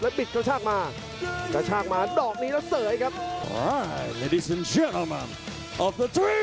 ปิดกระชากมากระชากมาดอกนี้แล้วเสยครับ